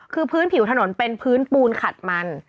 คือพื้นผิวถนนเป็นพื้นปูนขัดมัน